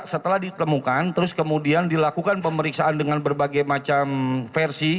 setelah ditemukan terus kemudian dilakukan pemeriksaan dengan berbagai macam versi